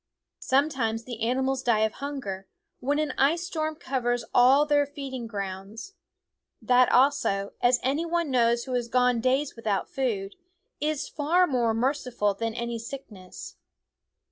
Sometimes the animals die of hunger, when an ice storm covers all their feeding grounds. That also, as any one knows who has gone days without food, is far more merciful than any sickness.